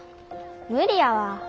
無理やわ。